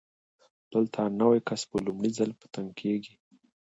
دلته نوی کس په لومړي ځل په تنګ کېږي.